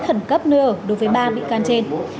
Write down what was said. khẩn cấp nơi ở đối với ba bị can trên